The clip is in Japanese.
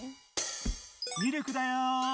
ミルクだよ。